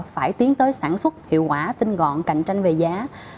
phải tiến tới sản xuất hiệu quả tinh gọn cạnh tranh về giá